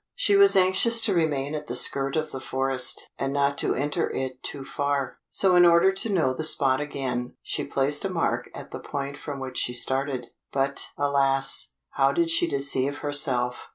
She was anxious to remain at the skirt of the forest, and not to enter it too far, so in order to know the spot again, she placed a mark at the point from which she started. But, alas! how did she deceive herself!